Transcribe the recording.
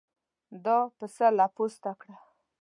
دا پسه له پوسته کړه.